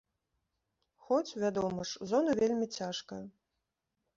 Хоць, вядома ж, зона вельмі цяжкая.